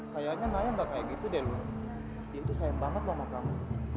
kayaknya naya gak kayak gitu deh luna dia tuh sayang banget sama kamu